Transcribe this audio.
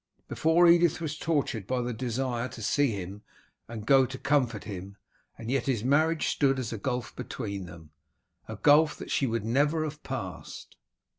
Before, Edith was tortured by the desire to see him and to comfort him, and yet his marriage stood as a gulf between them, a gulf that she would never have passed.